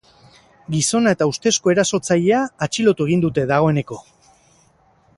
Gizona eta ustezko erasotzailea atxilotu egin dute, dagoeneko.